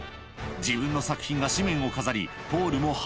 自分の作品が紙面を飾りポールも鼻